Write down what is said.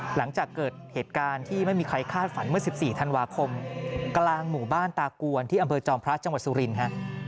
หลังจากเกิดเหตุการณ์ที่ไม่มีใครคาดฝันเมื่อ๑๔ธันวาคมกลางหมู่บ้านตากวนที่อำเภอจอมพระจังหวัดสุรินฮะ